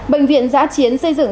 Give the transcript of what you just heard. bệnh viện giã chiến xây dựng